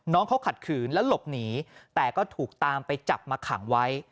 น้องเขาขัดขืนแล้วหลบหนีแต่ก็ถูกตามไปจับมาขังไว้